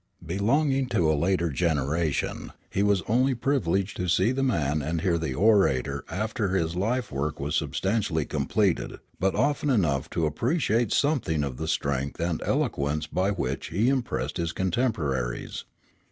Belonging to a later generation, he was only privileged to see the man and hear the orator after his life work was substantially completed, but often enough then to appreciate something of the strength and eloquence by which he impressed his contemporaries.